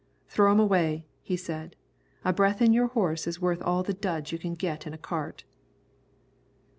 "Throw 'em away," he said; "a breath in your horse will be worth all the duds you can git in a cart."